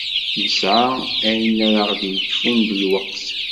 Nesɛa ayen ara ɣ-d-yekfun d lweqt.